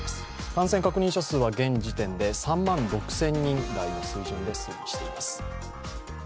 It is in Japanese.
感染確認者数は現時点で３万６０００人台の水準で推移しています。